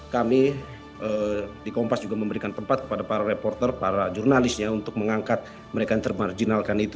kami di kompas juga memberikan tempat kepada para reporter para jurnalisnya untuk mengangkat mereka yang termarjinalkan itu